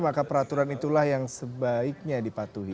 maka peraturan itulah yang sebaiknya dipatuhi